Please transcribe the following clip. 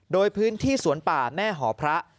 โดยพื้นที่สวนป่าแม่หอพระ